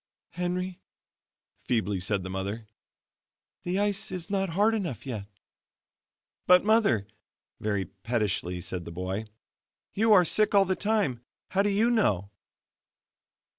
"Henry," feebly said the mother, "the ice is not hard enough yet." "But, Mother," very pettishly said the boy, "you are sick all the time how do you know?"